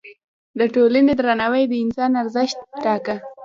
د ټولنې درناوی د انسان ارزښت ټاکه.